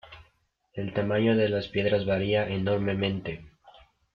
El tamaño de las piedras varía enormemente.